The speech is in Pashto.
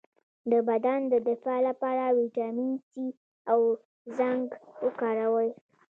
د بدن د دفاع لپاره ویټامین سي او زنک وکاروئ